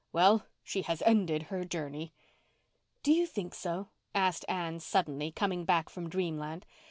Well, she has ended her journey." "Do you think so?" asked Anne suddenly, coming back from dreamland.